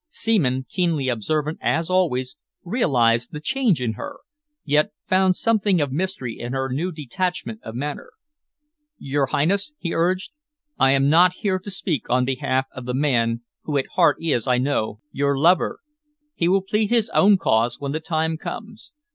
Seaman, keenly observant as always, realised the change in her, yet found something of mystery in her new detachment of manner. "Your Highness," he urged, "I am not here to speak on behalf of the man who at heart is, I know, your lover. He will plead his own cause when the time comes.